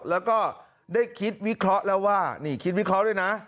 แล้วก็ได้คิดวิเคราะห์แล้วว่านี่คิดวิเคราะห์ด้วยนะ